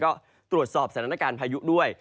ก็ตรวจสอบสถานการณ์พายุด้วย